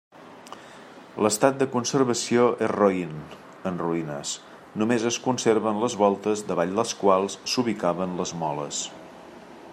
L'estat de conservació és roín, en ruïnes; només es conserven les voltes davall les quals s'ubicaven les moles.